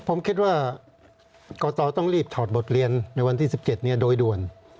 ผมคิดว่ากรกตต้องรีบถอดบทเรียนในวันที่๑๗โดยด่วน